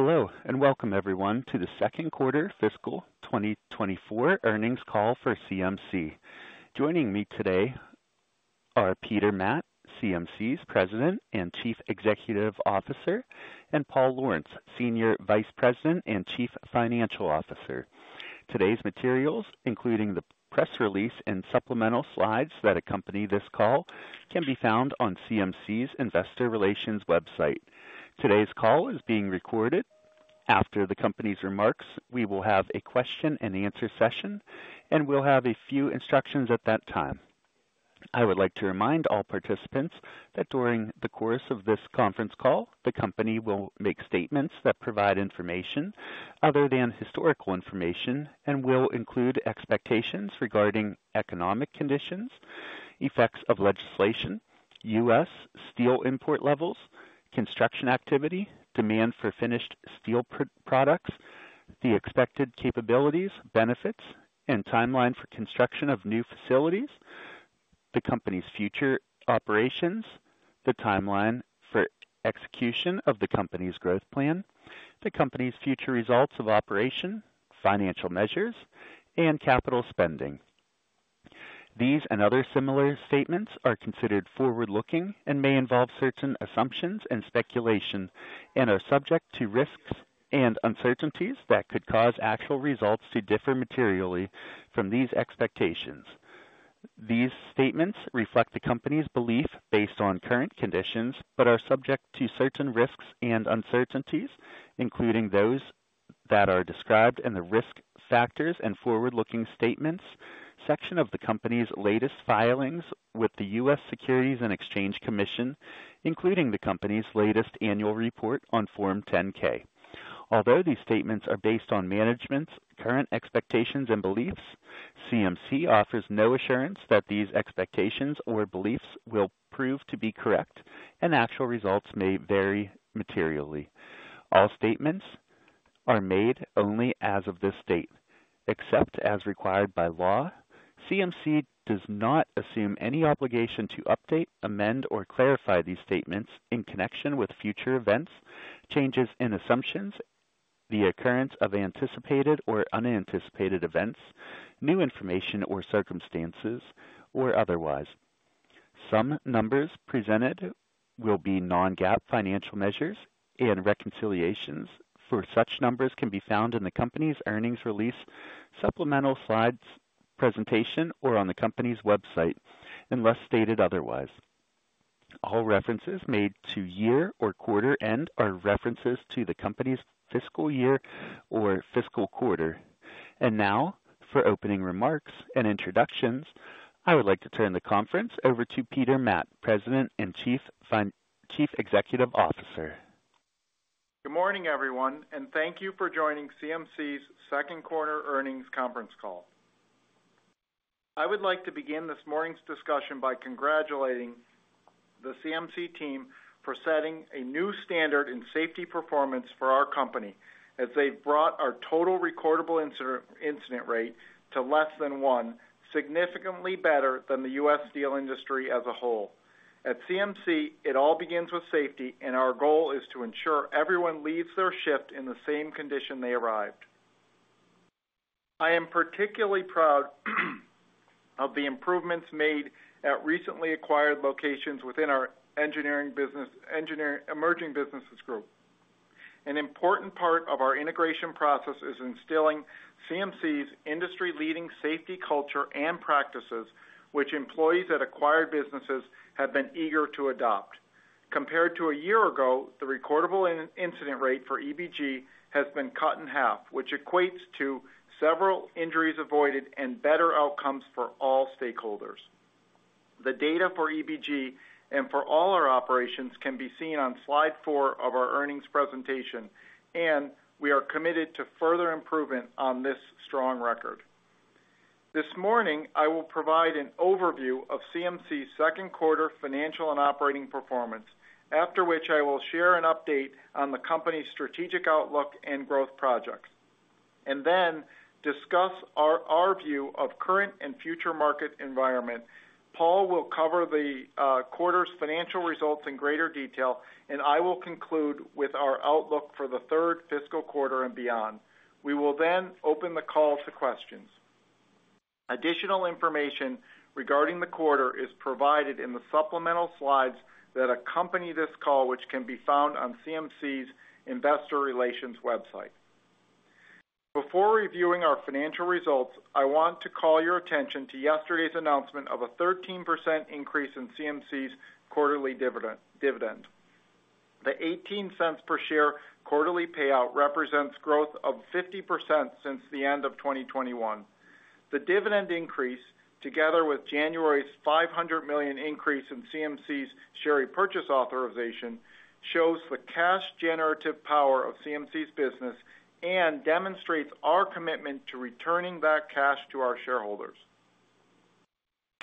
Hello, and welcome everyone to the Second Quarter Fiscal 2024 Earnings Call for CMC. Joining me today are Peter Matt, CMC's President and Chief Executive Officer, and Paul Lawrence, Senior Vice President and Chief Financial Officer. Today's materials, including the press release and supplemental slides that accompany this call, can be found on CMC's Investor Relations website. Today's call is being recorded. After the company's remarks, we will have a question-and-answer session, and we'll have a few instructions at that time. I would like to remind all participants that during the course of this conference call, the company will make statements that provide information other than historical information and will include expectations regarding economic conditions, effects of legislation, U.S. steel import levels, construction activity, demand for finished steel products, the expected capabilities, benefits, and timeline for construction of new facilities, the company's future operations, the timeline for execution of the company's growth plan, the company's future results of operation, financial measures, and capital spending. These and other similar statements are considered forward-looking and may involve certain assumptions and speculation, and are subject to risks and uncertainties that could cause actual results to differ materially from these expectations. These statements reflect the company's belief based on current conditions, but are subject to certain risks and uncertainties, including those that are described in the Risk Factors and Forward-Looking Statements section of the company's latest filings with the U.S. Securities and Exchange Commission, including the company's latest annual report on Form 10-K. Although these statements are based on management's current expectations and beliefs, CMC offers no assurance that these expectations or beliefs will prove to be correct, and actual results may vary materially. All statements are made only as of this date. Except as required by law, CMC does not assume any obligation to update, amend, or clarify these statements in connection with future events, changes in assumptions, the occurrence of anticipated or unanticipated events, new information or circumstances, or otherwise. Some numbers presented will be non-GAAP financial measures, and reconciliations for such numbers can be found in the company's earnings release, supplemental slides presentation, or on the company's website, unless stated otherwise. All references made to year or quarter end are references to the company's fiscal year or fiscal quarter. Now, for opening remarks and introductions, I would like to turn the conference over to Peter Matt, President and Chief Executive Officer. Good morning, everyone, and thank you for joining CMC's second quarter earnings conference call. I would like to begin this morning's discussion by congratulating the CMC team for setting a new standard in safety performance for our company, as they've brought our total recordable incident rate to less than one, significantly better than the U.S. steel industry as a whole. At CMC, it all begins with safety, and our goal is to ensure everyone leaves their shift in the same condition they arrived. I am particularly proud of the improvements made at recently acquired locations within our Emerging Businesses Group. An important part of our integration process is instilling CMC's industry-leading safety culture and practices, which employees at acquired businesses have been eager to adopt. Compared to a year ago, the recordable incident rate for EBG has been cut in half, which equates to several injuries avoided and better outcomes for all stakeholders. The data for EBG and for all our operations can be seen on slide four of our earnings presentation, and we are committed to further improvement on this strong record. This morning, I will provide an overview of CMC's second quarter financial and operating performance, after which I will share an update on the company's strategic outlook and growth projects, and then discuss our view of current and future market environment. Paul will cover the quarter's financial results in greater detail, and I will conclude with our outlook for the third fiscal quarter and beyond. We will then open the call to questions. Additional information regarding the quarter is provided in the supplemental slides that accompany this call, which can be found on CMC's Investor Relations website. Before reviewing our financial results, I want to call your attention to yesterday's announcement of a 13% increase in CMC's quarterly dividend. The $0.18 per share quarterly payout represents growth of 50% since the end of 2021. The dividend increase, together with January's $500 million increase in CMC's share repurchase authorization, shows the cash generative power of CMC's business and demonstrates our commitment to returning back cash to our shareholders.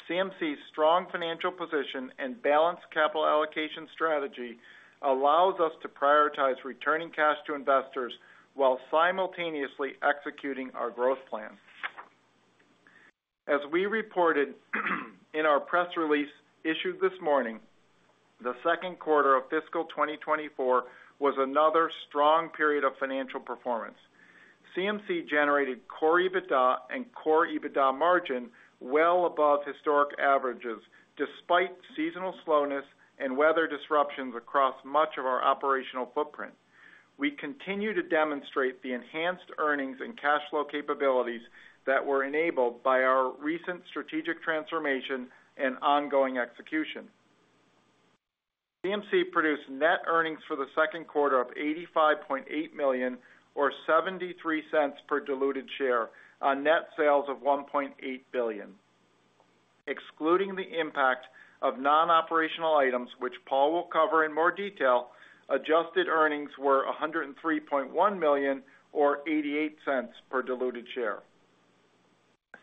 CMC's strong financial position and balanced capital allocation strategy allows us to prioritize returning cash to investors while simultaneously executing our growth plan.... As we reported in our press release issued this morning, the second quarter of fiscal 2024 was another strong period of financial performance. CMC generated core EBITDA and core EBITDA margin well above historic averages, despite seasonal slowness and weather disruptions across much of our operational footprint. We continue to demonstrate the enhanced earnings and cash flow capabilities that were enabled by our recent strategic transformation and ongoing execution. CMC produced net earnings for the second quarter of $85.8 million, or $0.73 per diluted share on net sales of $1.8 billion. Excluding the impact of non-operational items, which Paul will cover in more detail, adjusted earnings were $103.1 million, or $0.88 per diluted share.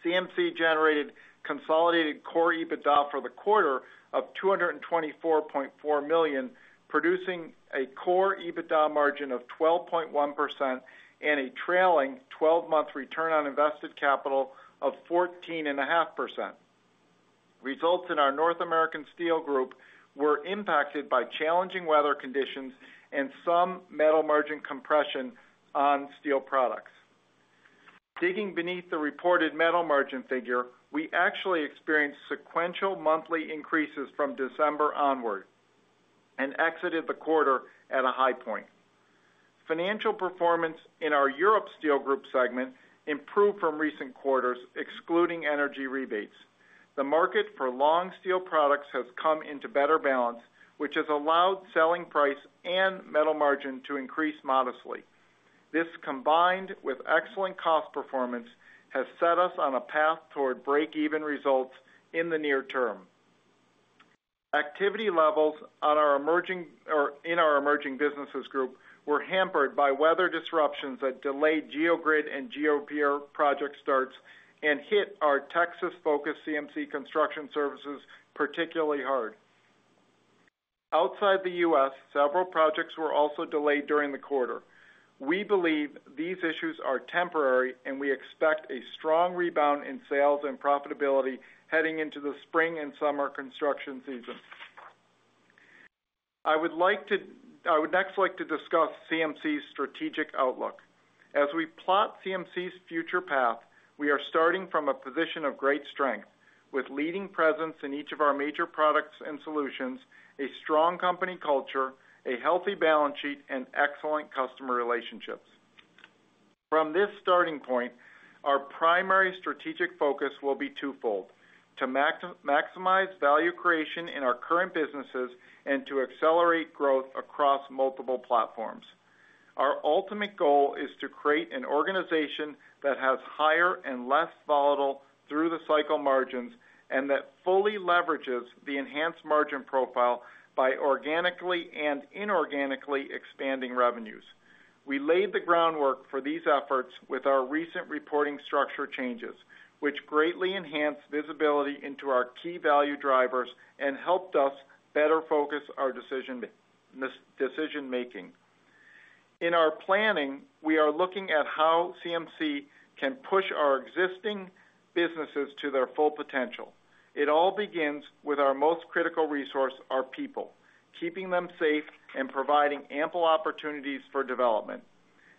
CMC generated consolidated core EBITDA for the quarter of $224.4 million, producing a core EBITDA margin of 12.1% and a trailing twelve-month return on invested capital of 14.5%. Results in our North American Steel Group were impacted by challenging weather conditions and some metal margin compression on steel products. Digging beneath the reported metal margin figure, we actually experienced sequential monthly increases from December onward and exited the quarter at a high point. Financial performance in our Europe Steel Group segment improved from recent quarters, excluding energy rebates. The market for long steel products has come into better balance, which has allowed selling price and metal margin to increase modestly. This, combined with excellent cost performance, has set us on a path toward break-even results in the near term. Activity levels in our Emerging Businesses Group were hampered by weather disruptions that delayed geogrid and Geopier project starts and hit our Texas-focused CMC Construction Services particularly hard. Outside the U.S., several projects were also delayed during the quarter. We believe these issues are temporary, and we expect a strong rebound in sales and profitability heading into the spring and summer construction season. I would next like to discuss CMC's strategic outlook. As we plot CMC's future path, we are starting from a position of great strength, with leading presence in each of our major products and solutions, a strong company culture, a healthy balance sheet, and excellent customer relationships. From this starting point, our primary strategic focus will be twofold: to maximize value creation in our current businesses and to accelerate growth across multiple platforms. Our ultimate goal is to create an organization that has higher and less volatile through-the-cycle margins, and that fully leverages the enhanced margin profile by organically and inorganically expanding revenues. We laid the groundwork for these efforts with our recent reporting structure changes, which greatly enhanced visibility into our key value drivers and helped us better focus our decision-making. In our planning, we are looking at how CMC can push our existing businesses to their full potential. It all begins with our most critical resource, our people, keeping them safe and providing ample opportunities for development.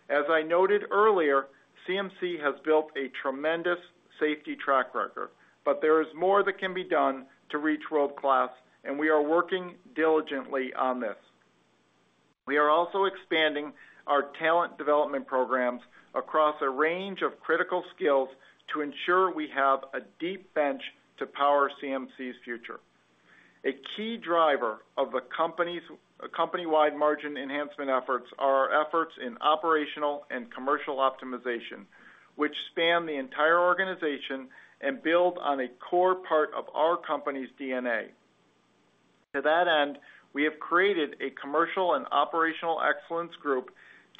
As I noted earlier, CMC has built a tremendous safety track record, but there is more that can be done to reach world-class, and we are working diligently on this. We are also expanding our talent development programs across a range of critical skills to ensure we have a deep bench to power CMC's future. A key driver of the company's company-wide margin enhancement efforts are our efforts in operational and commercial optimization, which span the entire organization and build on a core part of our company's DNA. To that end, we have created a commercial and operational excellence group,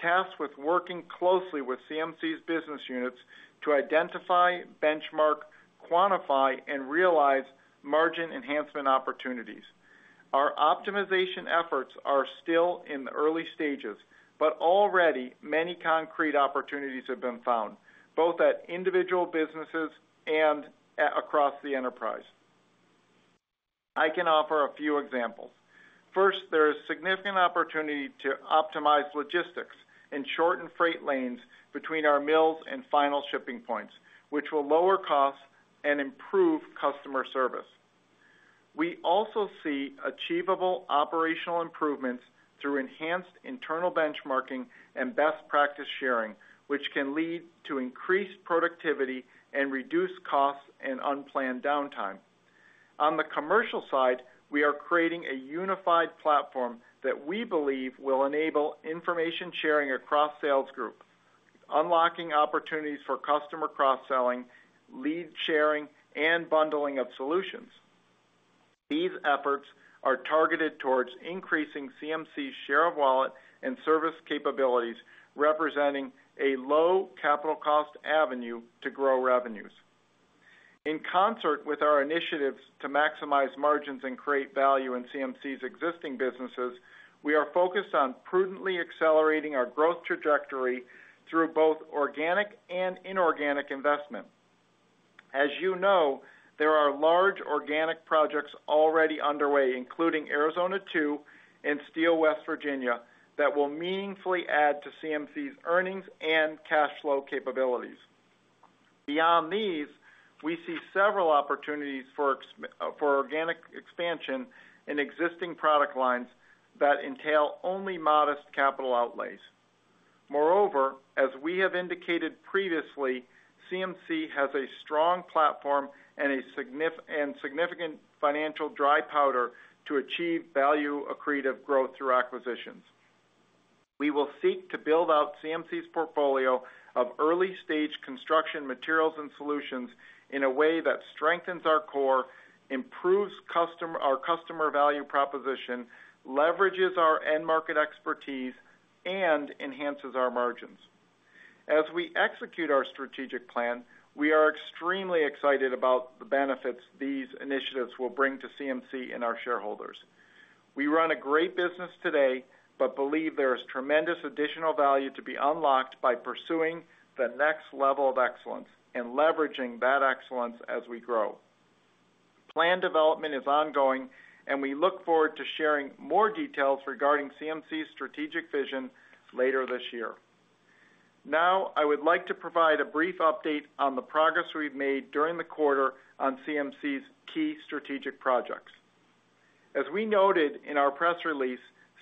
tasked with working closely with CMC's business units to identify, benchmark, quantify, and realize margin enhancement opportunities. Our optimization efforts are still in the early stages, but already many concrete opportunities have been found, both at individual businesses and across the enterprise. I can offer a few examples. First, there is significant opportunity to optimize logistics and shorten freight lanes between our mills and final shipping points, which will lower costs and improve customer service. We also see achievable operational improvements through enhanced internal benchmarking and best practice sharing, which can lead to increased productivity and reduced costs and unplanned downtime. On the commercial side, we are creating a unified platform that we believe will enable information sharing across sales group, unlocking opportunities for customer cross-selling, lead sharing, and bundling of solutions. These efforts are targeted towards increasing CMC's share of wallet and service capabilities, representing a low capital cost avenue to grow revenues. In concert with our initiatives to maximize margins and create value in CMC's existing businesses, we are focused on prudently accelerating our growth trajectory through both organic and inorganic investment. As you know, there are large organic projects already underway, including Arizona 2 and Steel West Virginia, that will meaningfully add to CMC's earnings and cash flow capabilities. Beyond these, we see several opportunities for for organic expansion in existing product lines that entail only modest capital outlays. Moreover, as we have indicated previously, CMC has a strong platform and a significant financial dry powder to achieve value-accretive growth through acquisitions. We will seek to build out CMC's portfolio of early-stage construction materials and solutions in a way that strengthens our core, improves our customer value proposition, leverages our end market expertise, and enhances our margins. As we execute our strategic plan, we are extremely excited about the benefits these initiatives will bring to CMC and our shareholders. We run a great business today, but believe there is tremendous additional value to be unlocked by pursuing the next level of excellence and leveraging that excellence as we grow. Plan development is ongoing, and we look forward to sharing more details regarding CMC's strategic vision later this year. Now, I would like to provide a brief update on the progress we've made during the quarter on CMC's key strategic projects. As we noted in our press release,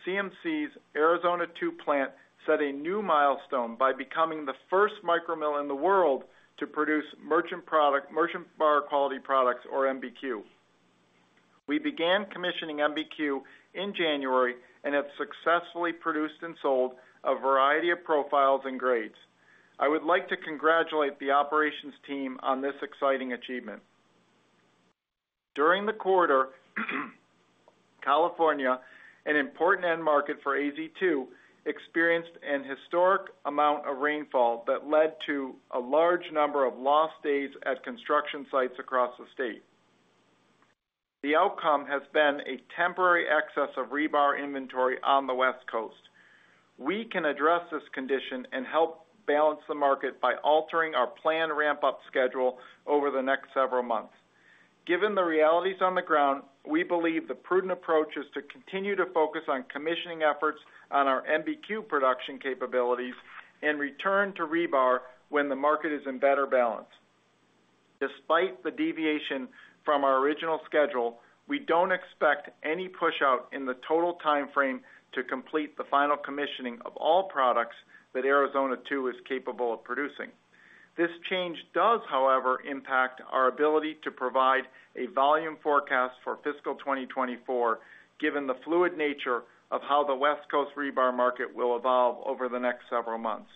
CMC's Arizona 2 plant set a new milestone by becoming the first micro mill in the world to produce merchant bar quality products, or MBQ. We began commissioning MBQ in January and have successfully produced and sold a variety of profiles and grades. I would like to congratulate the operations team on this exciting achievement. During the quarter, California, an important end market for AZ2, experienced an historic amount of rainfall that led to a large number of lost days at construction sites across the state. The outcome has been a temporary excess of rebar inventory on the West Coast. We can address this condition and help balance the market by altering our planned ramp-up schedule over the next several months. Given the realities on the ground, we believe the prudent approach is to continue to focus on commissioning efforts on our MBQ production capabilities and return to rebar when the market is in better balance. Despite the deviation from our original schedule, we don't expect any pushout in the total timeframe to complete the final commissioning of all products that Arizona 2 is capable of producing. This change does, however, impact our ability to provide a volume forecast for fiscal 2024, given the fluid nature of how the West Coast rebar market will evolve over the next several months.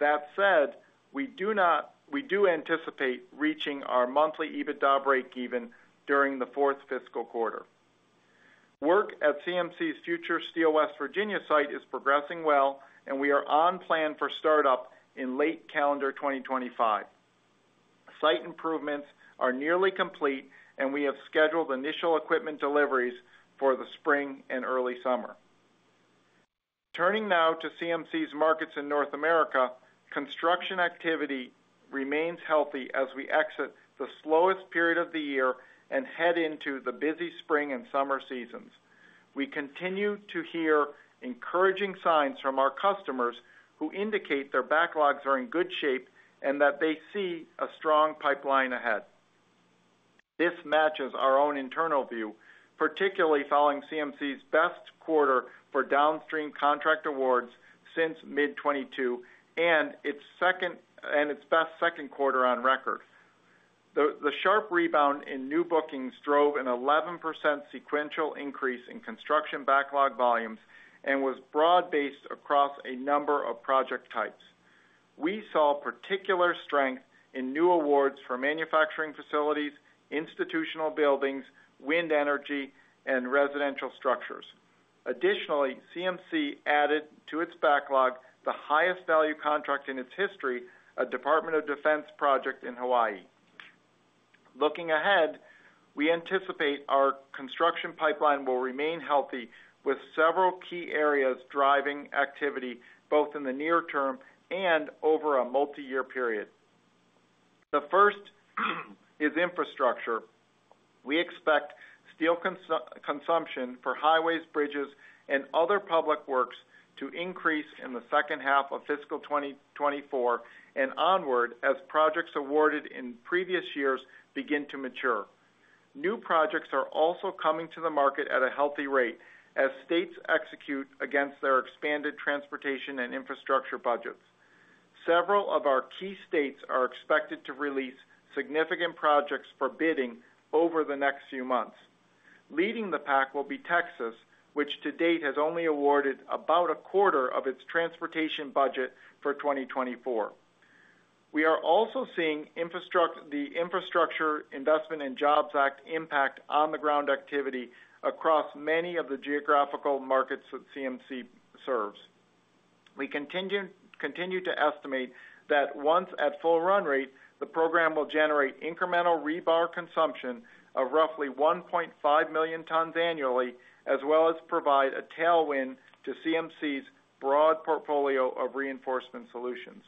That said, we do anticipate reaching our monthly EBITDA breakeven during the fourth fiscal quarter. Work at CMC's future Steel West Virginia site is progressing well, and we are on plan for startup in late calendar 2025. Site improvements are nearly complete, and we have scheduled initial equipment deliveries for the spring and early summer. Turning now to CMC's markets in North America, construction activity remains healthy as we exit the slowest period of the year and head into the busy spring and summer seasons. We continue to hear encouraging signs from our customers, who indicate their backlogs are in good shape and that they see a strong pipeline ahead. This matches our own internal view, particularly following CMC's best quarter for downstream contract awards since mid-2022 and its best second quarter on record. The sharp rebound in new bookings drove an 11% sequential increase in construction backlog volumes and was broad-based across a number of project types. We saw particular strength in new awards for manufacturing facilities, institutional buildings, wind energy, and residential structures. Additionally, CMC added to its backlog the highest value contract in its history, a Department of Defense project in Hawaii. Looking ahead, we anticipate our construction pipeline will remain healthy, with several key areas driving activity, both in the near term and over a multiyear period. The first is infrastructure. We expect steel consumption for highways, bridges, and other public works to increase in the second half of fiscal 2024 and onward, as projects awarded in previous years begin to mature. New projects are also coming to the market at a healthy rate as states execute against their expanded transportation and infrastructure budgets. Several of our key states are expected to release significant projects for bidding over the next few months. Leading the pack will be Texas, which to date, has only awarded about a quarter of its transportation budget for 2024. We are also seeing the Infrastructure Investment and Jobs Act impact on-the-ground activity across many of the geographical markets that CMC serves. We continue to estimate that once at full run rate, the program will generate incremental rebar consumption of roughly 1.5 million tons annually, as well as provide a tailwind to CMC's broad portfolio of reinforcement solutions....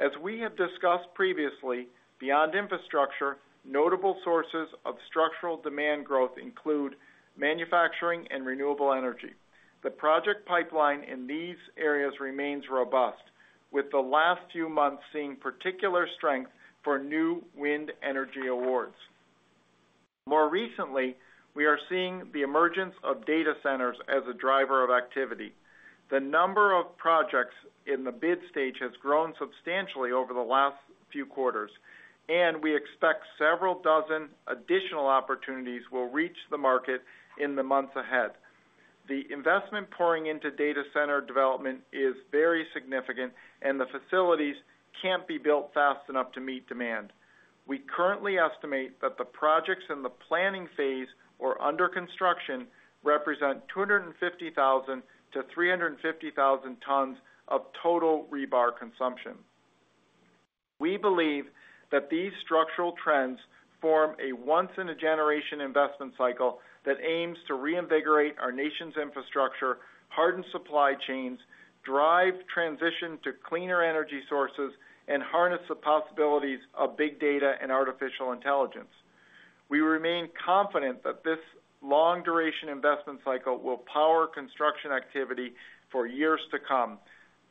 As we have discussed previously, beyond infrastructure, notable sources of structural demand growth include manufacturing and renewable energy. The project pipeline in these areas remains robust, with the last few months seeing particular strength for new wind energy awards. More recently, we are seeing the emergence of data centers as a driver of activity. The number of projects in the bid stage has grown substantially over the last few quarters, and we expect several dozen additional opportunities will reach the market in the months ahead. The investment pouring into data center development is very significant, and the facilities can't be built fast enough to meet demand. We currently estimate that the projects in the planning phase or under construction represent 250,000-350,000 tons of total rebar consumption. We believe that these structural trends form a once-in-a-generation investment cycle that aims to reinvigorate our nation's infrastructure, harden supply chains, drive transition to cleaner energy sources, and harness the possibilities of big data and artificial intelligence. We remain confident that this long-duration investment cycle will power construction activity for years to come,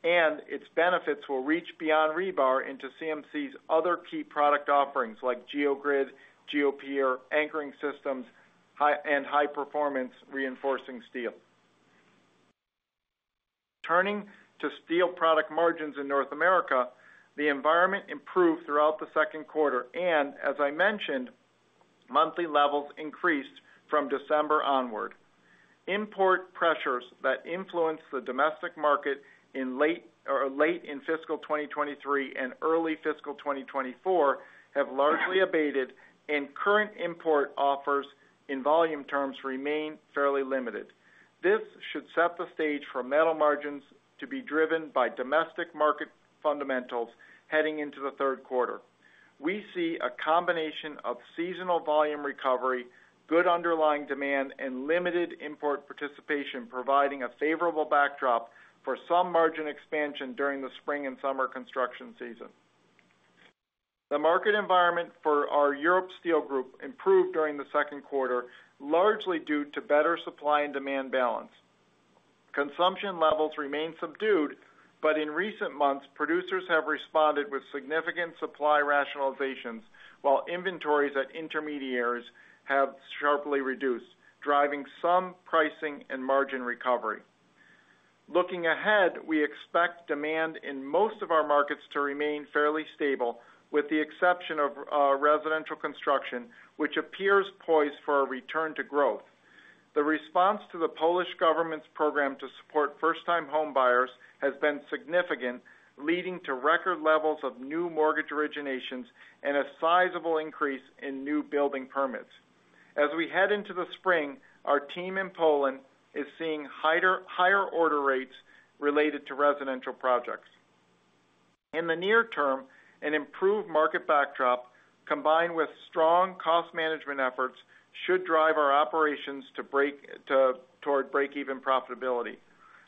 and its benefits will reach beyond rebar into CMC's other key product offerings like geogrid, Geopier, anchoring systems, high- and high-performance reinforcing steel. Turning to steel product margins in North America, the environment improved throughout the second quarter, and as I mentioned, monthly levels increased from December onward. Import pressures that influenced the domestic market in late in fiscal 2023 and early fiscal 2024 have largely abated, and current import offers, in volume terms, remain fairly limited. This should set the stage for metal margins to be driven by domestic market fundamentals heading into the third quarter. We see a combination of seasonal volume recovery, good underlying demand, and limited import participation, providing a favorable backdrop for some margin expansion during the spring and summer construction season. The market environment for our Europe Steel Group improved during the second quarter, largely due to better supply and demand balance. Consumption levels remain subdued, but in recent months, producers have responded with significant supply rationalizations, while inventories at intermediaries have sharply reduced, driving some pricing and margin recovery. Looking ahead, we expect demand in most of our markets to remain fairly stable, with the exception of residential construction, which appears poised for a return to growth. The response to the Polish government's program to support first-time homebuyers has been significant, leading to record levels of new mortgage originations and a sizable increase in new building permits. As we head into the spring, our team in Poland is seeing higher, higher order rates related to residential projects. In the near term, an improved market backdrop, combined with strong cost management efforts, should drive our operations toward break-even profitability.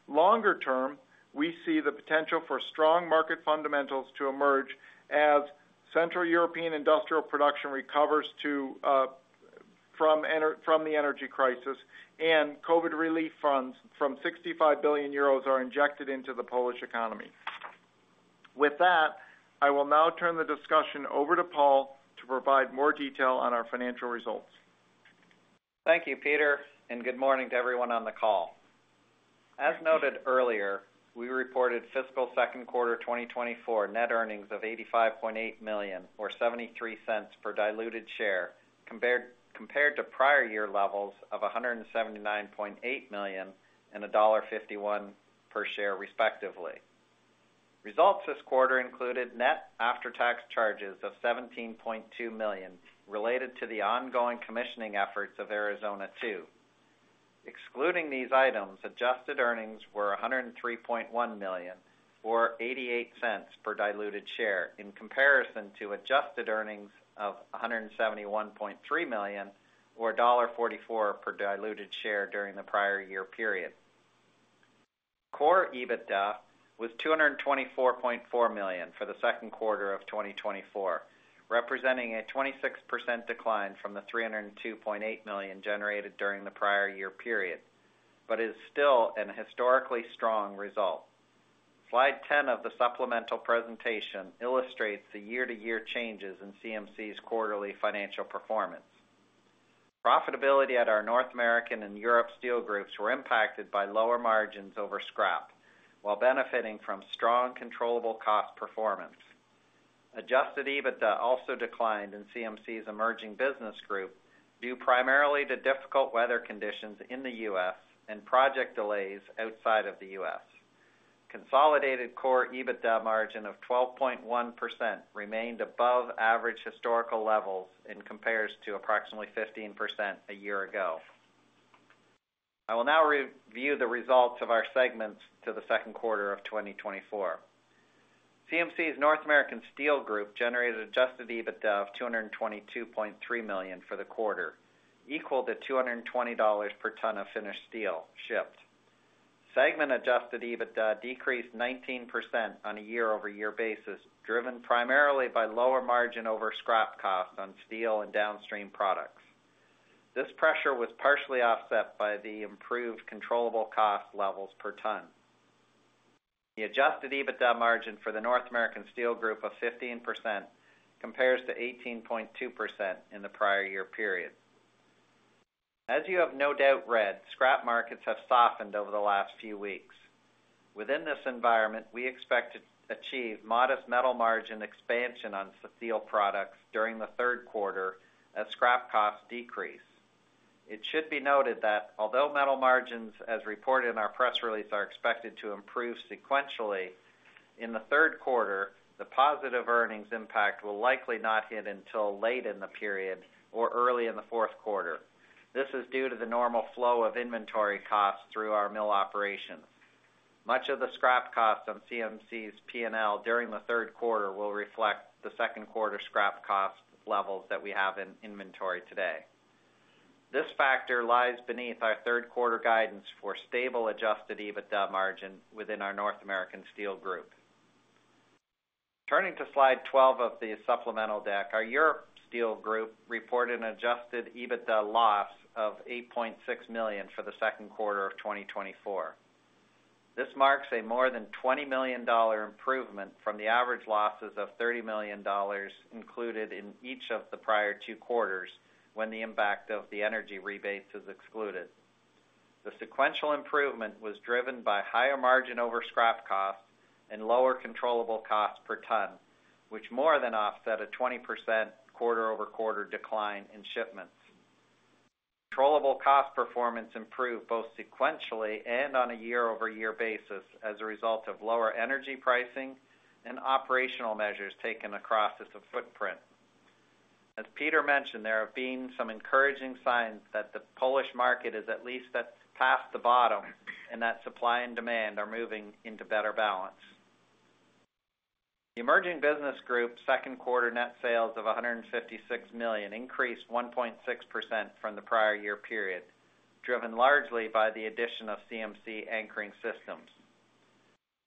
Longer term, we see the potential for strong market fundamentals to emerge as Central European industrial production recovers from the energy crisis and COVID relief funds from 65 billion euros are injected into the Polish economy. With that, I will now turn the discussion over to Paul to provide more detail on our financial results. Thank you, Peter, and good morning to everyone on the call. As noted earlier, we reported fiscal second quarter 2024 net earnings of $85.8 million, or $0.73 per diluted share, compared to prior year levels of $179.8 million and $1.51 per share, respectively. Results this quarter included net after-tax charges of $17.2 million, related to the ongoing commissioning efforts of Arizona 2. Excluding these items, adjusted earnings were $103.1 million, or $0.88 per diluted share, in comparison to adjusted earnings of $171.3 million or $1.44 per diluted share during the prior year period. Core EBITDA was $224.4 million for the second quarter of 2024, representing a 26% decline from the $302.8 million generated during the prior year period, but is still an historically strong result. Slide 10 of the supplemental presentation illustrates the year-to-year changes in CMC's quarterly financial performance. Profitability at our North American and Europe Steel groups were impacted by lower margins over scrap, while benefiting from strong controllable cost performance. Adjusted EBITDA also declined in CMC's Emerging Business group, due primarily to difficult weather conditions in the U.S. and project delays outside of the U.S. Consolidated core EBITDA margin of 12.1% remained above average historical levels and compares to approximately 15% a year ago. I will now review the results of our segments to the second quarter of 2024. CMC's North American Steel Group generated Adjusted EBITDA of $222.3 million for the quarter, equal to $220 per ton of finished steel shipped. Segment Adjusted EBITDA decreased 19% on a year-over-year basis, driven primarily by lower margin over scrap costs on steel and downstream products. This pressure was partially offset by the improved controllable cost levels per ton. The Adjusted EBITDA margin for the North American Steel Group of 15% compares to 18.2% in the prior year period. As you have no doubt read, scrap markets have softened over the last few weeks. Within this environment, we expect to achieve modest metal margin expansion on steel products during the third quarter as scrap costs decrease. It should be noted that although metal margins, as reported in our press release, are expected to improve sequentially, in the third quarter, the positive earnings impact will likely not hit until late in the period or early in the fourth quarter. This is due to the normal flow of inventory costs through our mill operations. Much of the scrap costs on CMC's PNL during the third quarter will reflect the second quarter scrap cost levels that we have in inventory today. This factor lies beneath our third quarter guidance for stable Adjusted EBITDA margin within our North American Steel Group. Turning to slide 12 of the supplemental deck, our Europe Steel Group reported an Adjusted EBITDA loss of $8.6 million for the second quarter of 2024. This marks a more than $20 million improvement from the average losses of $30 million included in each of the prior two quarters when the impact of the energy rebates is excluded. The sequential improvement was driven by higher margin over scrap costs and lower controllable costs per ton, which more than offset a 20% quarter-over-quarter decline in shipments. Controllable cost performance improved both sequentially and on a year-over-year basis as a result of lower energy pricing and operational measures taken across its footprint. As Peter mentioned, there have been some encouraging signs that the Polish market is at least past the bottom, and that supply and demand are moving into better balance. The Emerging Business Group second quarter net sales of $156 million increased 1.6% from the prior year period, driven largely by the addition of CMC Anchoring Systems.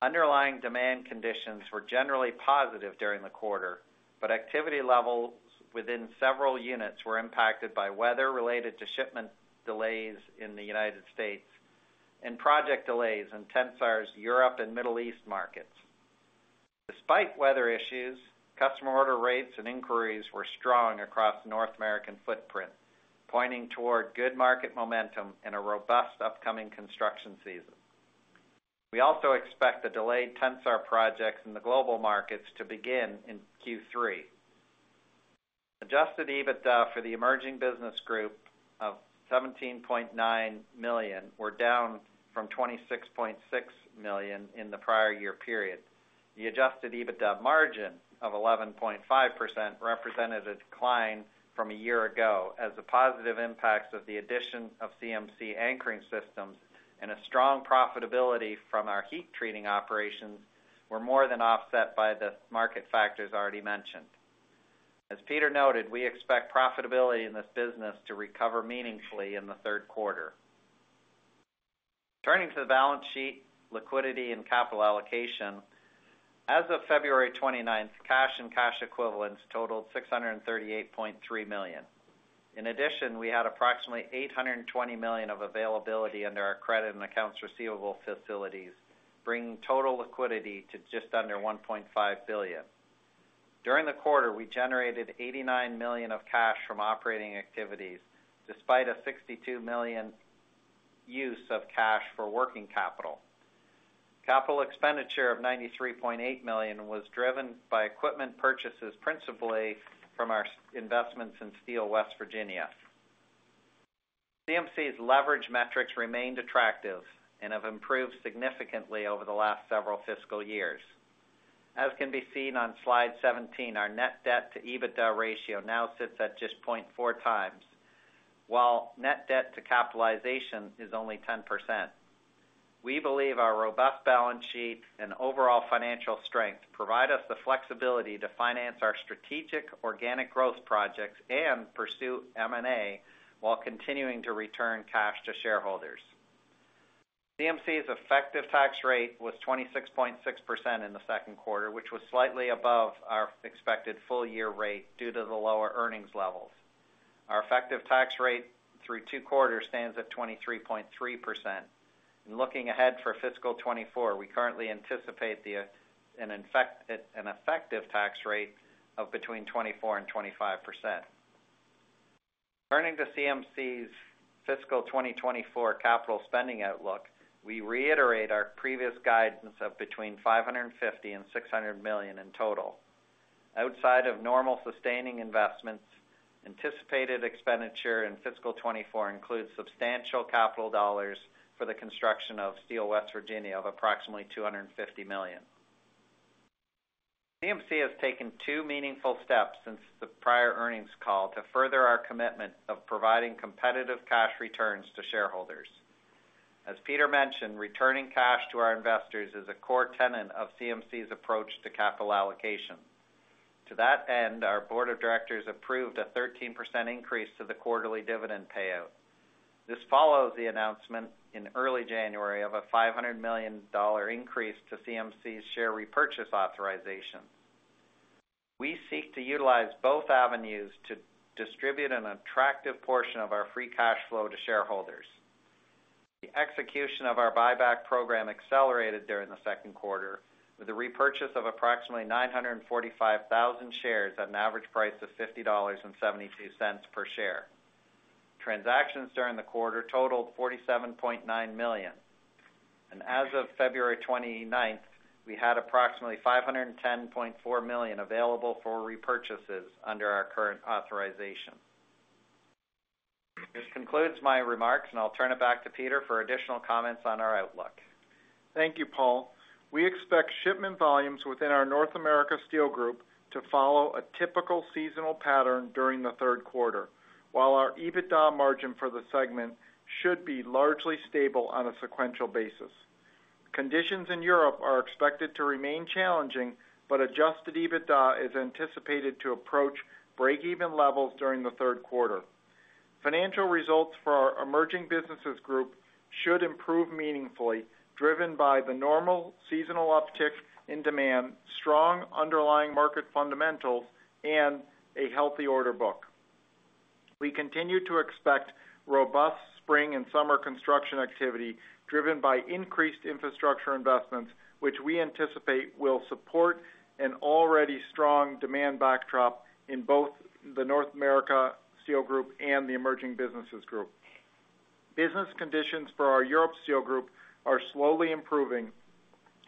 Underlying demand conditions were generally positive during the quarter, but activity levels within several units were impacted by weather-related shipment delays in the United States and project delays in Tensar's Europe and Middle East markets. Despite weather issues, customer order rates and inquiries were strong across the North American footprint, pointing toward good market momentum and a robust upcoming construction season. We also expect the delayed Tensar projects in the global markets to begin in Q3. Adjusted EBITDA for the Emerging Business Group of $17.9 million were down from $26.6 million in the prior year period. The Adjusted EBITDA margin of 11.5% represented a decline from a year ago, as the positive impacts of the addition of CMC Anchoring Systems and a strong profitability from our heat treating operations were more than offset by the market factors already mentioned. As Peter noted, we expect profitability in this business to recover meaningfully in the third quarter. Turning to the balance sheet, liquidity, and capital allocation. As of February twenty-ninth, cash and cash equivalents totaled $638.3 million. In addition, we had approximately $820 million of availability under our credit and accounts receivable facilities, bringing total liquidity to just under $1.5 billion. During the quarter, we generated $89 million of cash from operating activities, despite a $62 million use of cash for working capital. Capital expenditure of $93.8 million was driven by equipment purchases, principally from our investments in Steel West Virginia. CMC's leverage metrics remained attractive and have improved significantly over the last several fiscal years. As can be seen on slide 17, our net debt to EBITDA ratio now sits at just 0.4x, while net debt to capitalization is only 10%. We believe our robust balance sheet and overall financial strength provide us the flexibility to finance our strategic organic growth projects and pursue M&A while continuing to return cash to shareholders. CMC's effective tax rate was 26.6% in the second quarter, which was slightly above our expected full-year rate due to the lower earnings levels. Our effective tax rate through two quarters stands at 23.3%. Looking ahead for fiscal 2024, we currently anticipate an effective tax rate of between 24%-25%. Turning to CMC's fiscal 2024 capital spending outlook, we reiterate our previous guidance of between $550 million and $600 million in total. Outside of normal sustaining investments, anticipated expenditure in fiscal 2024 includes substantial capital dollars for the construction of Steel West Virginia of approximately $250 million. CMC has taken two meaningful steps since the prior earnings call to further our commitment of providing competitive cash returns to shareholders. As Peter mentioned, returning cash to our investors is a core tenet of CMC's approach to capital allocation.... To that end, our Board of Directors approved a 13% increase to the quarterly dividend payout. This follows the announcement in early January of a $500 million increase to CMC's share repurchase authorization. We seek to utilize both avenues to distribute an attractive portion of our free cash flow to shareholders. The execution of our buyback program accelerated during the second quarter, with the repurchase of approximately 945,000 shares at an average price of $50.72 per share. Transactions during the quarter totaled $47.9 million, and as of February 29, we had approximately $510.4 million available for repurchases under our current authorization. This concludes my remarks, and I'll turn it back to Peter for additional comments on our outlook. Thank you, Paul. We expect shipment volumes within our North America Steel Group to follow a typical seasonal pattern during the third quarter, while our EBITDA margin for the segment should be largely stable on a sequential basis. Conditions in Europe are expected to remain challenging, but Adjusted EBITDA is anticipated to approach breakeven levels during the third quarter. Financial results for our Emerging Businesses Group should improve meaningfully, driven by the normal seasonal uptick in demand, strong underlying market fundamentals, and a healthy order book. We continue to expect robust spring and summer construction activity, driven by increased infrastructure investments, which we anticipate will support an already strong demand backdrop in both the North America Steel Group and the Emerging Businesses Group. Business conditions for our Europe Steel Group are slowly improving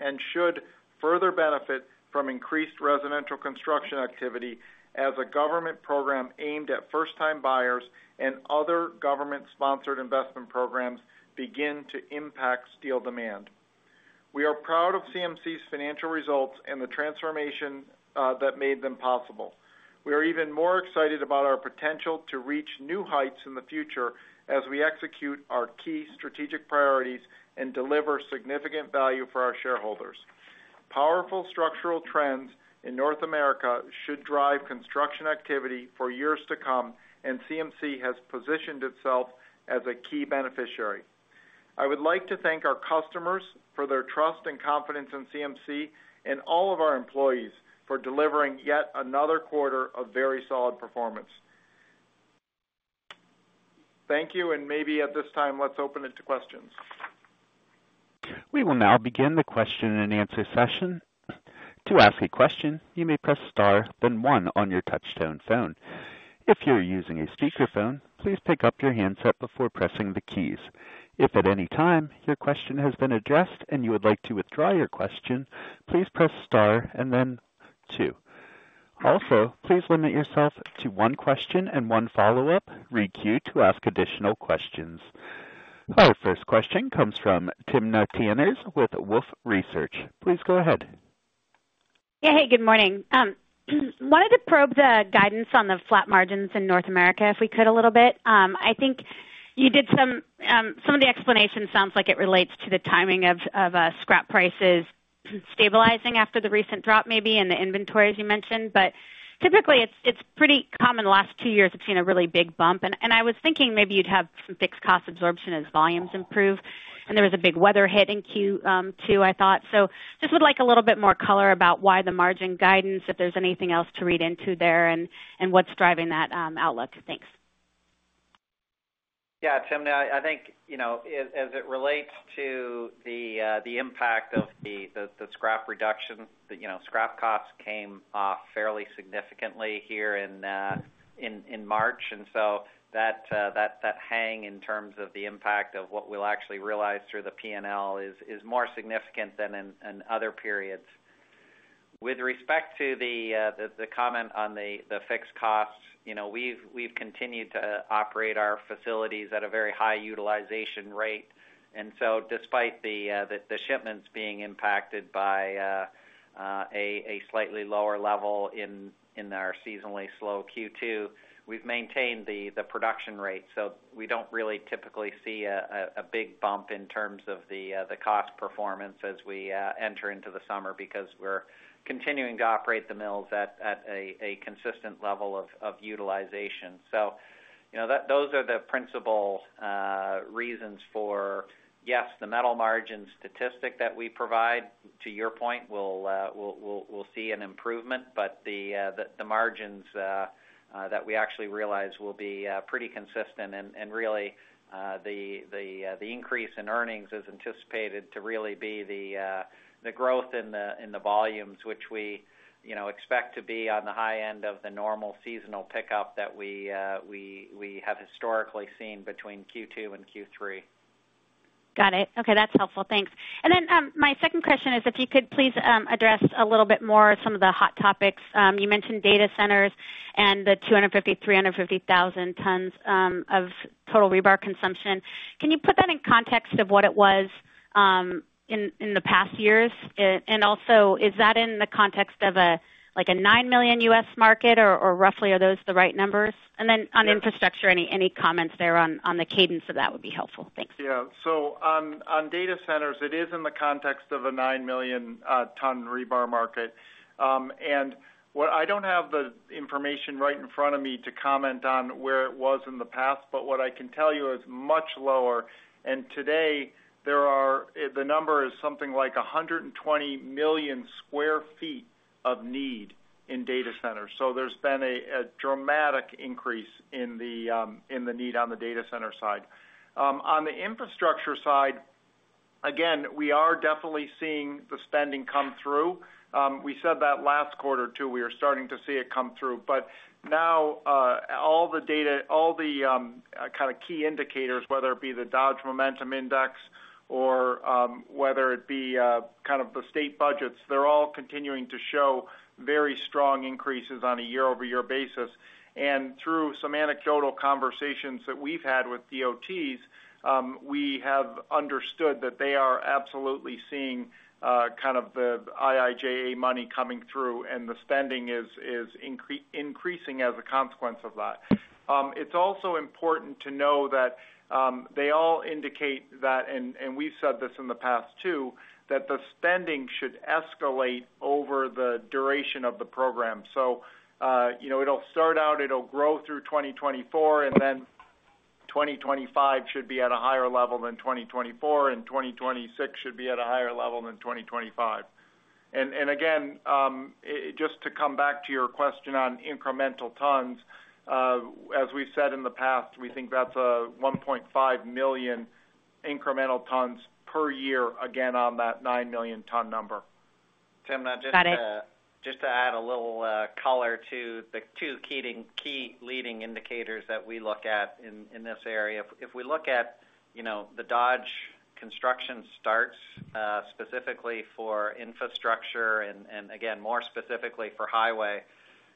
and should further benefit from increased residential construction activity as a government program aimed at first-time buyers and other government-sponsored investment programs begin to impact steel demand. We are proud of CMC's financial results and the transformation that made them possible. We are even more excited about our potential to reach new heights in the future as we execute our key strategic priorities and deliver significant value for our shareholders. Powerful structural trends in North America should drive construction activity for years to come, and CMC has positioned itself as a key beneficiary. I would like to thank our customers for their trust and confidence in CMC and all of our employees for delivering yet another quarter of very solid performance. Thank you, and maybe at this time, let's open it to questions. We will now begin the question-and-answer session. To ask a question, you may press star, then one on your touchtone phone. If you're using a speakerphone, please pick up your handset before pressing the keys. If at any time your question has been addressed and you would like to withdraw your question, please press star, and then two. Also, please limit yourself to one question and one follow-up. Re-queue to ask additional questions. Our first question comes from Timna Tanners with Wolfe Research. Please go ahead. Yeah, hey, good morning. Wanted to probe the guidance on the flat margins in North America, if we could, a little bit. I think you did some... Some of the explanation sounds like it relates to the timing of scrap prices stabilizing after the recent drop, maybe, and the inventory, as you mentioned. But typically, it's pretty common. The last two years have seen a really big bump, and I was thinking maybe you'd have some fixed cost absorption as volumes improve. And there was a big weather hit in Q2, I thought. So just would like a little bit more color about why the margin guidance, if there's anything else to read into there, and what's driving that outlook. Thanks. Yeah, Timna, I think, you know, as it relates to the impact of the scrap reduction, you know, scrap costs came off fairly significantly here in March, and so that hang in terms of the impact of what we'll actually realize through the PNL is more significant than in other periods. With respect to the comment on the fixed costs, you know, we've continued to operate our facilities at a very high utilization rate, and so despite the shipments being impacted by a slightly lower level in our seasonally slow Q2, we've maintained the production rate. So we don't really typically see a big bump in terms of the cost performance as we enter into the summer, because we're continuing to operate the mills at a consistent level of utilization. So you know, those are the principal reasons for, yes, the metal margin statistic that we provide, to your point, will see an improvement, but the margins that we actually realize will be pretty consistent. And really, the increase in earnings is anticipated to really be the growth in the volumes, which we, you know, expect to be on the high end of the normal seasonal pickup that we have historically seen between Q2 and Q3. Got it. Okay, that's helpful. Thanks. And then, my second question is, if you could please, address a little bit more some of the hot topics. You mentioned data centers and the 250-350,000 tons of total rebar consumption. Can you put that in context of what it was in the past years? And also, is that in the context of a, like, a 9 million U.S. market or, or roughly, are those the right numbers? Sure. Then on infrastructure, any comments there on the cadence of that would be helpful. Thanks. Yeah. So on data centers, it is in the context of a 9 million ton rebar market. And what I don't have the information right in front of me to comment on where it was in the past, but what I can tell you is much lower. And today, there are the number is something like 120 million sq ft of need in data centers. So there's been a dramatic increase in the need on the data center side. On the infrastructure side, again, we are definitely seeing the spending come through. We said that last quarter, too, we are starting to see it come through. But now, all the data, all the kind of key indicators, whether it be the Dodge Momentum Index or whether it be kind of the state budgets, they're all continuing to show very strong increases on a year-over-year basis. And through some anecdotal conversations that we've had with DOTs, we have understood that they are absolutely seeing kind of the IIJA money coming through, and the spending is increasing as a consequence of that. It's also important to know that they all indicate that, and we've said this in the past, too, that the spending should escalate over the duration of the program. So, you know, it'll start out, it'll grow through 2024, and then 2025 should be at a higher level than 2024, and 2026 should be at a higher level than 2025. Again, just to come back to your question on incremental tons, as we've said in the past, we think that's a 1.5 million incremental tons per year, again, on that 9 million ton number. Timna, just to- Got it. Just to add a little color to the two key leading indicators that we look at in this area. If we look at, you know, the Dodge Construction Starts, specifically for infrastructure and again, more specifically for highway,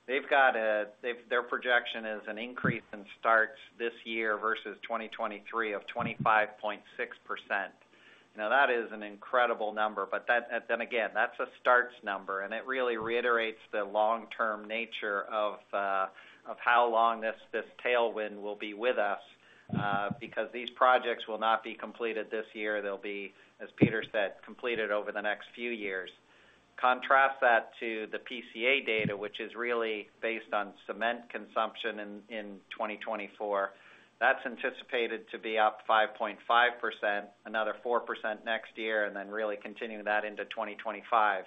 their projection is an increase in starts this year versus 2023 of 25.6%. Now, that is an incredible number, but that, then again, that's a starts number, and it really reiterates the long-term nature of how long this tailwind will be with us, because these projects will not be completed this year. They'll be, as Peter said, completed over the next few years. Contrast that to the PCA data, which is really based on cement consumption in 2024. That's anticipated to be up 5.5%, another 4% next year, and then really continuing that into 2025.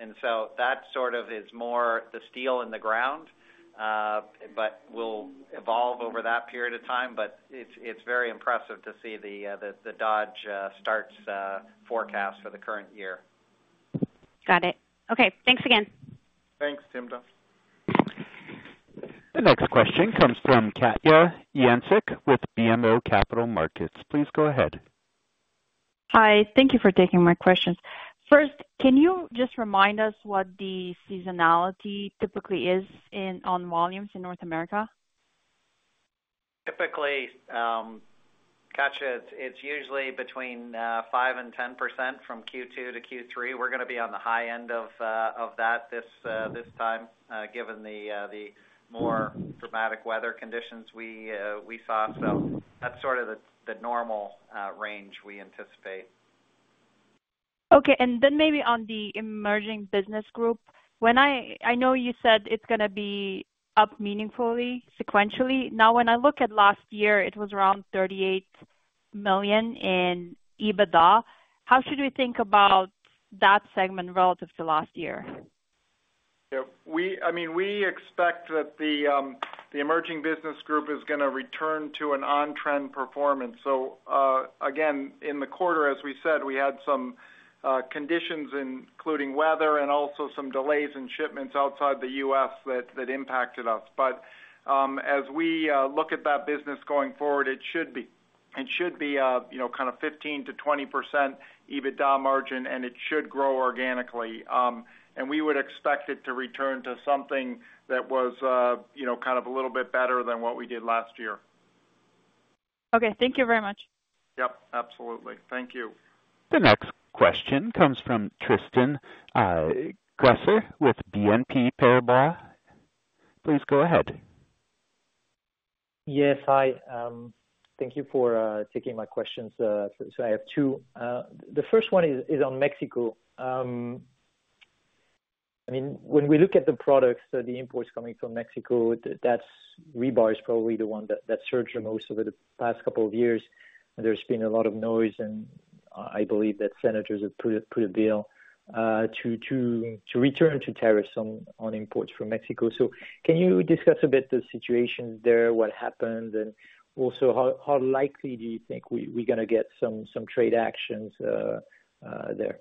And so that sort of is more the steel in the ground, but will evolve over that period of time. But it's, it's very impressive to see the, the Dodge starts forecast for the current year. Got it. Okay, thanks again. Thanks, Timna. The next question comes from Katja Jancic with BMO Capital Markets. Please go ahead. Hi, thank you for taking my questions. First, can you just remind us what the seasonality typically is on volumes in North America? Typically, Katja, it's usually between 5% and 10% from Q2 to Q3. We're gonna be on the high end of that this time, given the more dramatic weather conditions we saw. So that's sort of the normal range we anticipate. Okay, and then maybe on the Emerging Business Group. When I know you said it's gonna be up meaningfully, sequentially. Now, when I look at last year, it was around $38 million in EBITDA. How should we think about that segment relative to last year? Yeah, we—I mean, we expect that the Emerging Business Group is gonna return to an on-trend performance. So, again, in the quarter, as we said, we had some conditions, including weather and also some delays in shipments outside the U.S. that impacted us. But, as we look at that business going forward, it should be. It should be a, you know, kind of 15%-20% EBITDA margin, and it should grow organically. And we would expect it to return to something that was, you know, kind of a little bit better than what we did last year. Okay, thank you very much. Yep, absolutely. Thank you. The next question comes from Tristan Gresser with BNP Paribas. Please go ahead. Yes. Hi, thank you for taking my questions. So I have two. The first one is on Mexico. I mean, when we look at the products, the imports coming from Mexico, that's rebar is probably the one that surged the most over the past couple of years. There's been a lot of noise, and I believe that senators have put a bill to return to tariffs on imports from Mexico. So can you discuss a bit the situation there, what happened, and also how likely do you think we're gonna get some trade actions there?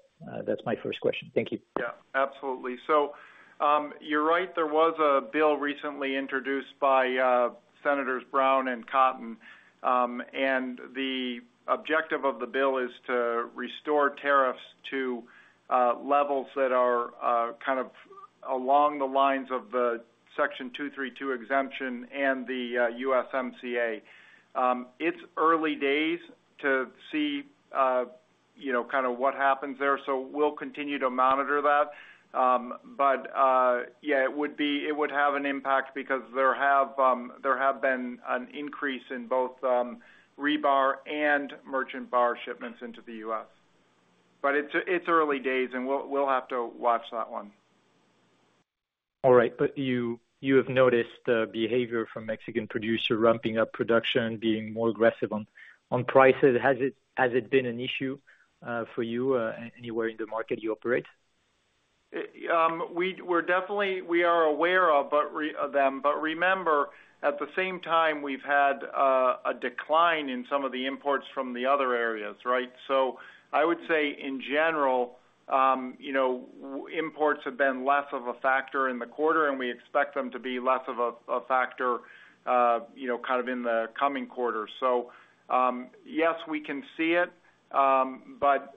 That's my first question. Thank you. Yeah, absolutely. So, you're right, there was a bill recently introduced by Senators Brown and Cotton, and the objective of the bill is to restore tariffs to levels that are kind of along the lines of the Section 232 exemption and the USMCA. It's early days to see, you know, kind of what happens there, so we'll continue to monitor that. But yeah, it would have an impact because there have been an increase in both rebar and merchant bar shipments into the US. But it's early days, and we'll have to watch that one. All right, but you have noticed the behavior from Mexican producer ramping up production, being more aggressive on prices. Has it been an issue for you anywhere in the market you operate? We're definitely, we are aware of them, but remember, at the same time, we've had a decline in some of the imports from the other areas, right? So I would say in general, you know, imports have been less of a factor in the quarter, and we expect them to be less of a factor, you know, kind of in the coming quarter. So, yes, we can see it, but,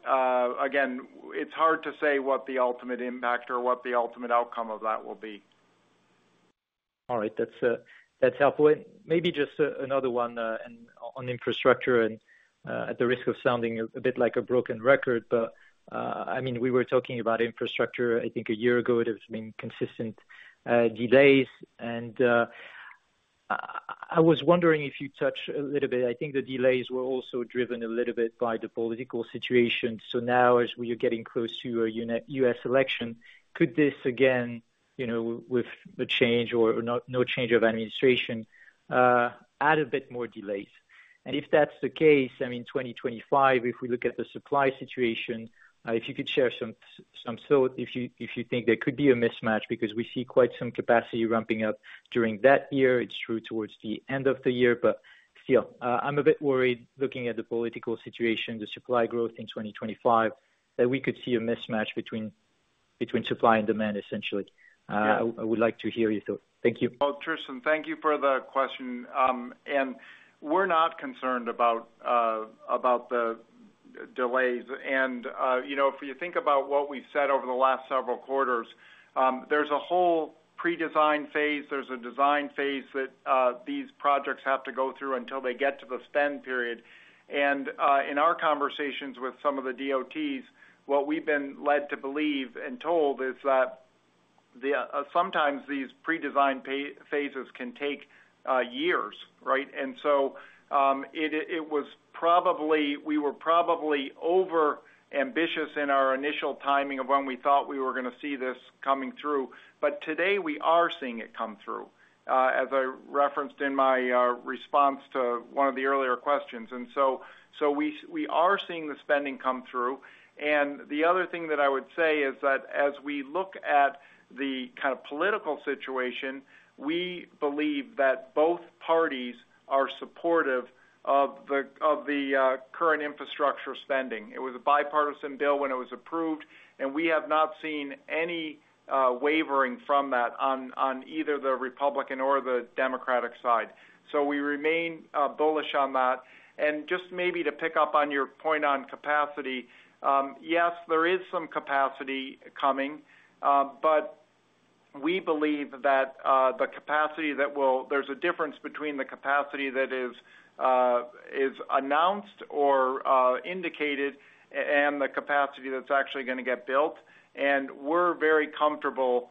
again, it's hard to say what the ultimate impact or what the ultimate outcome of that will be. All right. That's, that's helpful. And maybe just, another one, and on, on infrastructure and, at the risk of sounding a bit like a broken record, but, I mean, we were talking about infrastructure, I think a year ago. It has been consistent, delays. And, I was wondering if you'd touch a little bit. I think the delays were also driven a little bit by the political situation. So now, as we are getting close to a U.S. election, could this again, you know, with a change or no, no change of administration, add a bit more delays? If that's the case, I mean, 2025, if we look at the supply situation, if you could share some thought, if you think there could be a mismatch, because we see quite some capacity ramping up during that year. It's true towards the end of the year, but still, I'm a bit worried, looking at the political situation, the supply growth in 2025, that we could see a mismatch between supply and demand, essentially. Yeah. I would like to hear you, though. Thank you. Well, Tristan, thank you for the question. We're not concerned about the delays. You know, if you think about what we've said over the last several quarters, there's a whole predesign phase, there's a design phase that these projects have to go through until they get to the spend period. In our conversations with some of the DOTs, what we've been led to believe and told is that sometimes these predesigned phases can take years, right? So, we were probably over ambitious in our initial timing of when we thought we were gonna see this coming through, but today we are seeing it come through, as I referenced in my response to one of the earlier questions. So, we are seeing the spending come through. And the other thing that I would say is that as we look at the kind of political situation, we believe that both parties are supportive of the, of the, current infrastructure spending. It was a bipartisan bill when it was approved, and we have not seen any, wavering from that on, on either the Republican or the Democratic side. So we remain, bullish on that. And just maybe to pick up on your point on capacity, yes, there is some capacity coming, but we believe that, the capacity that will-- there's a difference between the capacity that is, is announced or, indicated, and the capacity that's actually gonna get built. And we're very comfortable,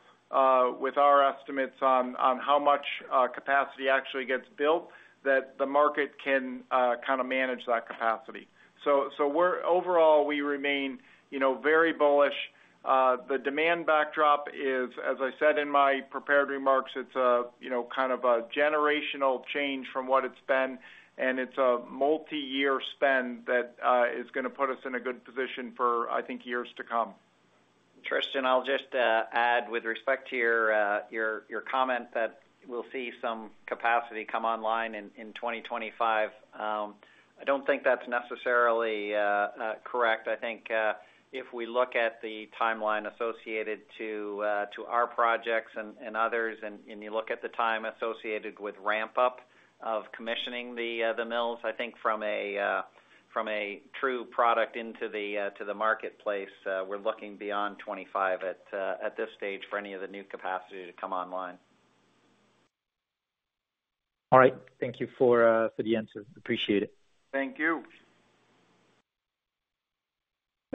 with our estimates on, on how much, capacity actually gets built, that the market can, kind of manage that capacity. So, overall, we remain, you know, very bullish. The demand backdrop is, as I said in my prepared remarks, it's a, you know, kind of a generational change from what it's been, and it's a multiyear spend that is gonna put us in a good position for, I think, years to come. Tristan, I'll just add with respect to your comment that we'll see some capacity come online in 2025. I don't think that's necessarily correct. I think if we look at the timeline associated to our projects and others, and you look at the time associated with ramp up of commissioning the mills, I think from a true product into the marketplace, we're looking beyond 2025 at this stage for any of the new capacity to come online. All right. Thank you for, for the answers. Appreciate it. Thank you.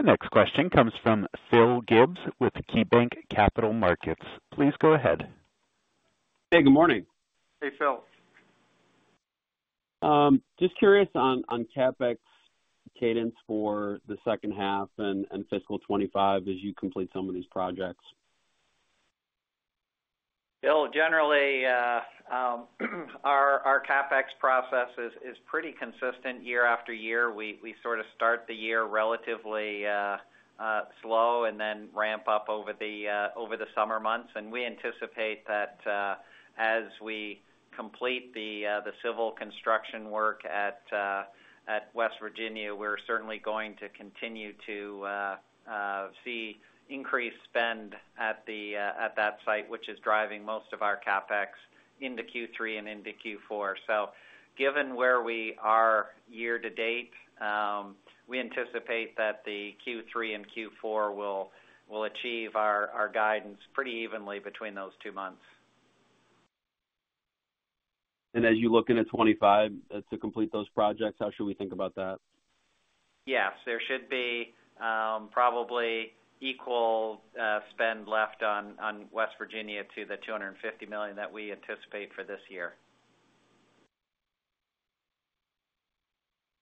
The next question comes from Phil Gibbs with KeyBanc Capital Markets. Please go ahead. Hey, good morning. Hey, Phil. Just curious on CapEx cadence for the second half and fiscal 2025 as you complete some of these projects. Phil, generally, our CapEx process is pretty consistent year after year. We sort of start the year relatively slow and then ramp up over the summer months. And we anticipate that, as we complete the civil construction work at West Virginia, we're certainly going to continue to see increased spend at that site, which is driving most of our CapEx into Q3 and into Q4. So given where we are year to date, we anticipate that the Q3 and Q4 will achieve our guidance pretty evenly between those two months. As you look into 2025, to complete those projects, how should we think about that? Yes, there should be probably equal spend left on West Virginia to the $250 million that we anticipate for this year.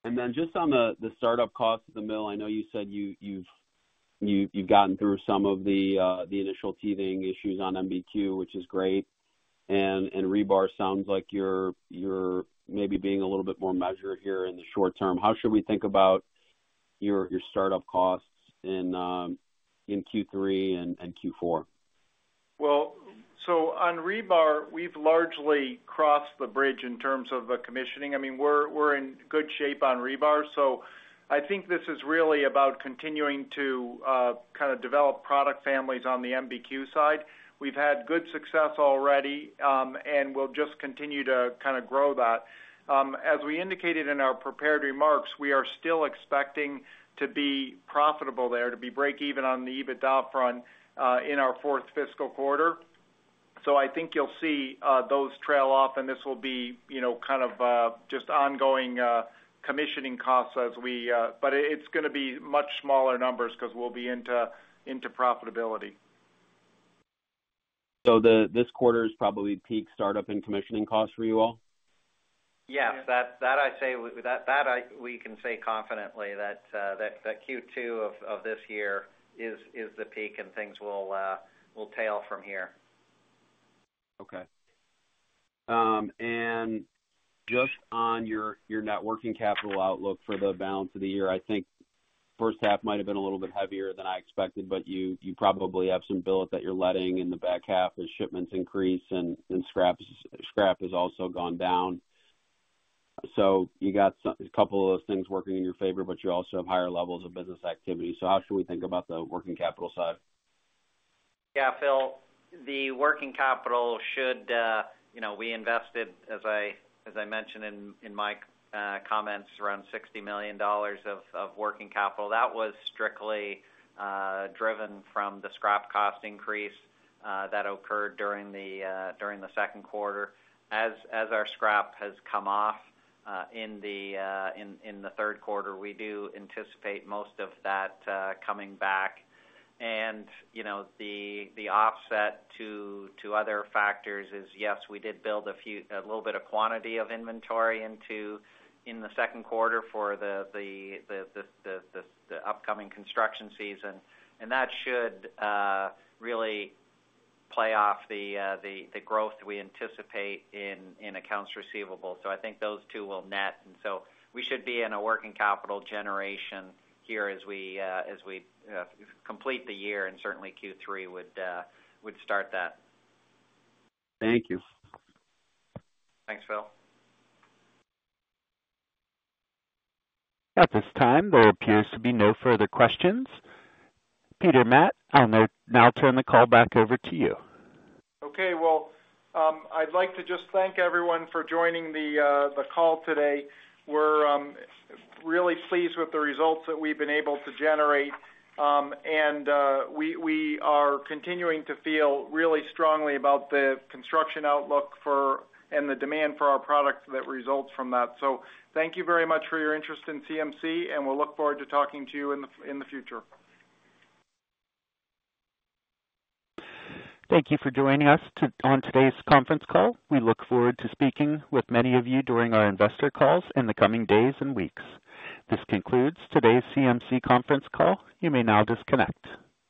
And then just on the startup cost of the mill, I know you said you've gotten through some of the initial teething issues on MBQ, which is great. And rebar sounds like you're maybe being a little bit more measured here in the short term. How should we think about your startup costs in Q3 and Q4? Well, so on rebar, we've largely crossed the bridge in terms of the commissioning. I mean, we're in good shape on rebar. So I think this is really about continuing to kind of develop product families on the MBQ side. We've had good success already, and we'll just continue to kind of grow that. As we indicated in our prepared remarks, we are still expecting to be profitable there, to be break even on the EBITDA front, in our fourth fiscal quarter. So I think you'll see those trail off, and this will be, you know, kind of just ongoing commissioning costs as we... But it's gonna be much smaller numbers 'cause we'll be into profitability. So this quarter is probably peak startup and commissioning costs for you all? Yes, that I'd say we can say confidently that Q2 of this year is the peak and things will tail from here. Okay. And just on your net working capital outlook for the balance of the year, I think first half might have been a little bit heavier than I expected, but you probably have some billet that you're letting in the back half as shipments increase and scrap has also gone down. So you got a couple of those things working in your favor, but you also have higher levels of business activity. So how should we think about the working capital side? Yeah, Phil, the working capital should, you know, we invested, as I mentioned in my comments, around $60 million of working capital. That was strictly driven from the scrap cost increase that occurred during the second quarter. As our scrap has come off in the third quarter, we do anticipate most of that coming back. And, you know, the offset to other factors is, yes, we did build a little bit of quantity of inventory in the second quarter for the upcoming construction season, and that should really play off the growth we anticipate in accounts receivable. So I think those two will net, and so we should be in a working capital generation here as we complete the year, and certainly Q3 would start that. Thank you. Thanks, Phil. At this time, there appears to be no further questions. Peter Matt, I'll now turn the call back over to you. Okay. Well, I'd like to just thank everyone for joining the call today. We're really pleased with the results that we've been able to generate. And we are continuing to feel really strongly about the construction outlook for and the demand for our products that results from that. So thank you very much for your interest in CMC, and we'll look forward to talking to you in the future. Thank you for joining us on today's conference call. We look forward to speaking with many of you during our investor calls in the coming days and weeks. This concludes today's CMC conference call. You may now disconnect.